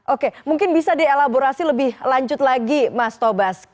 oke mungkin bisa dielaborasi lebih lanjut lagi mas tobas